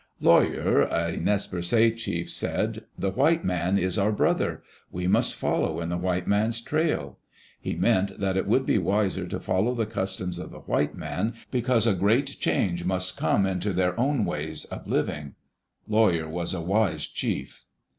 Lawyer, a Nez Perces chief, said, "The white man is our brother. We must follow in the white man*s trail." He meant that it would be wiser to follow the customs of Digitized by VjOOQ IC EARLY DAYS IN OLD OREGON the white man, because a great change must come Into their own ways of living. Lawyer was a wise chief.